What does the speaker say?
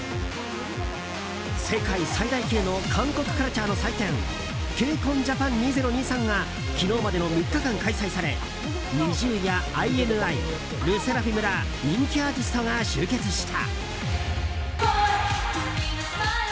世界最大級の韓国カルチャーの祭典「ＫＣＯＮＪａｐａｎ２０２３」が昨日までの３日間開催されＮｉｚｉＵやＩＮＩＬＥＳＳＥＲＡＦＩＭら人気アーティストが集結した。